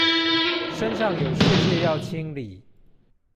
身上有屑屑要清理